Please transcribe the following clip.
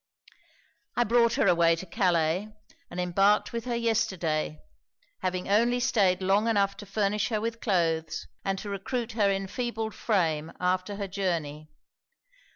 I brought her away to Calais, and embarked with her yesterday, having only staid long enough to furnish her with cloaths, and to recruit her enfeebled frame after her journey.